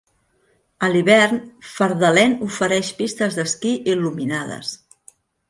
A l'hivern, Fardalen ofereix pistes d'esquí il·luminades.